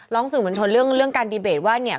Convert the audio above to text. สื่อมวลชนเรื่องการดีเบตว่าเนี่ย